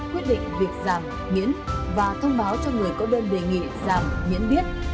quyết định việc giảm miễn và thông báo cho người có đơn đề nghị giảm miễn biết